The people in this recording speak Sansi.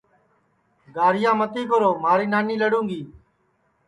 گاہرِیا متی کرو مھاری نانی لڑُوں گی